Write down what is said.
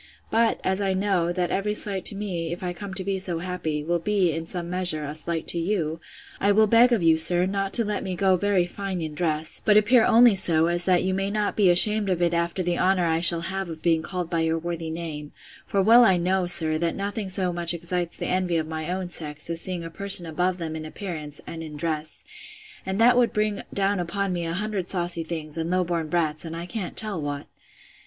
But, as I know, that every slight to me, if I come to be so happy, will be, in some measure, a slight to you, I will beg of you, sir, not to let me go very fine in dress; but appear only so, as that you may not be ashamed of it after the honour I shall have of being called by your worthy name: for well I know, sir, that nothing so much excites the envy of my own sex, as seeing a person above them in appearance, and in dress. And that would bring down upon me an hundred saucy things, and low born brats, and I can't tell what!